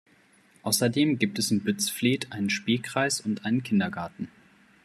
Außerdem gibt es in Bützfleth einen Spielkreis und einen Kindergarten.